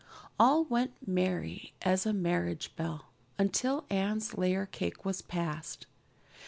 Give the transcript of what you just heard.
All went merry as a marriage bell until Anne's layer cake was passed.